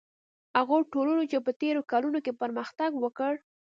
هغو ټولنو چې په تېرو کلونو کې پرمختګ وکړ.